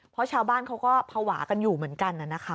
เพราะชาวบ้านเขาก็ภาวะกันอยู่เหมือนกันนะคะ